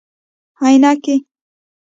👓 عینکي